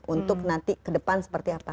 untuk nanti ke depan seperti apa